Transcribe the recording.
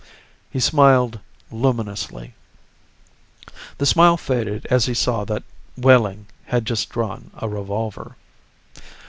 He smiled luminously. The smile faded as he saw that Wehling had just drawn a revolver.